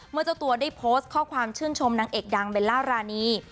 เจ้าตัวได้โพสต์ข้อความชื่นชมนางเอกดังเบลล่ารานี